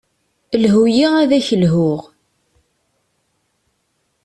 Lhu-yi ad ak-lhuɣ.